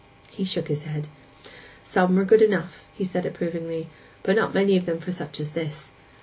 He shook his head. 'Some were good enough,' he said approvingly; 'but not many of them for such as this.